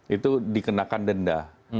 itu dikenakan denda